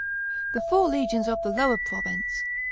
The four legions of the Lower province (I.